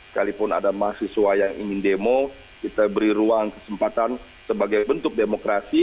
sekalipun ada mahasiswa yang ingin demo kita beri ruang kesempatan sebagai bentuk demokrasi